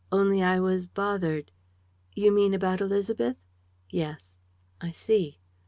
"Only I was bothered. ..." "You mean, about Élisabeth?" "Yes." "I see.